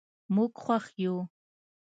موږ خوښ یو.